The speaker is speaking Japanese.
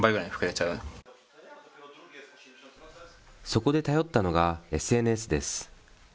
そこで頼ったのがＳＮＳです。